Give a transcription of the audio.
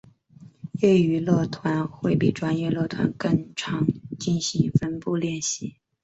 业余乐团会比专业乐团更常进行分部练习。